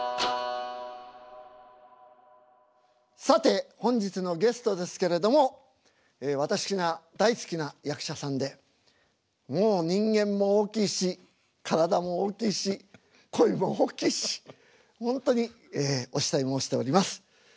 さて本日のゲストですけれども私が大好きな役者さんでもう人間も大きいし体も大きいし声も大きいし本当にお慕い申しております。